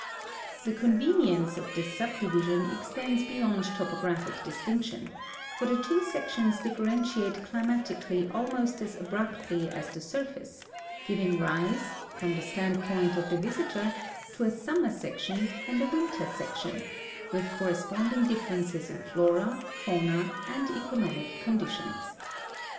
The convenience of this subdivision extends beyond topo graphic distinction, for the two sections differentiate climatically almost as abrui3tly as the surface, giving rise, from the standpoint of the visitor, to a summer section and a winter section, with cor responding differences in flora, fauna, and economic conditions.